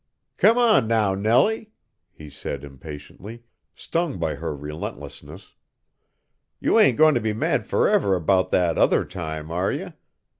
"Come on, now, Nellie," he said impatiently, stung by her relentlessness, "you ain't goin' to be mad forever about that other time, are you?